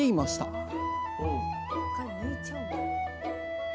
あ１回抜いちゃうんだ。